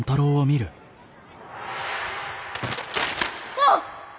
あっ！？